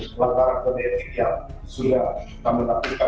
melalui kondisi yang sudah kami lakukan